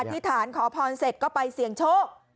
ธิษฐานขอพรเสร็จก็ไปเสี่ยงโชค